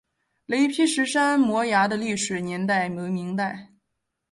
雷劈石山摩崖的历史年代为明代。